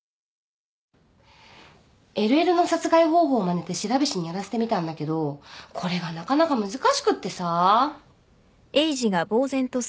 ＬＬの殺害方法をまねて白菱にやらせてみたんだけどこれがなかなか難しくってさ。